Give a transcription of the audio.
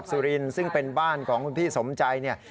หนูก็ไม่เชื่อเพราะรอบ๒หนูก็โทรไปใหม่